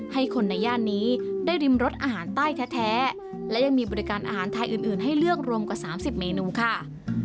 ให้คนในย่านนี้ได้ริมรสอาหารใต้แท้และยังมีบริการอาหารไทยอื่นให้เลือกรวมกว่า๓๐เมนูค่ะ